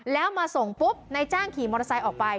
แล้วมาส่งปุ๊บนายจ้างขี่มอเตอร์ไซค์ออกไป